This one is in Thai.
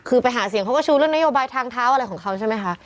คือไปหาเสียงเขาก็ชูเรื่องนโยบายทางเท้าอะไรของเขาใช่ไหมคะ